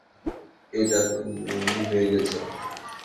এটা তো নিয়মই হয়ে গেছে।